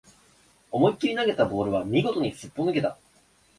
思いっきり投げたボールは見事にすっぽ抜けた